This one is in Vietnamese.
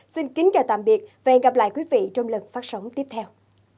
xin kính chào tạm biệt và hẹn gặp lại quý vị trong lần phát sóng tiếp theo